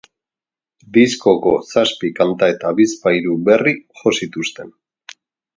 Diskoko zazpi kanta eta bizpahiru berri jo zituzten.